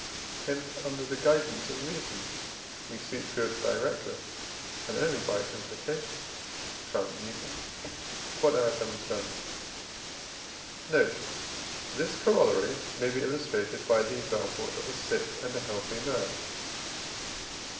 hence under the guidance of reason we seek good directly and only by implication shun evil. Q.E.D. Note. This Corollary may be illustrated by the example of a sick and a healthy man.